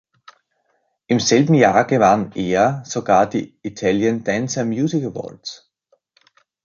Im selben Jahr gewann er sogar die "Italian Dance Music Awards".